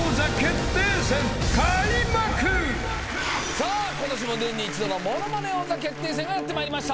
さあ今年も年に一度の『ものまね王座決定戦』がやってまいりました。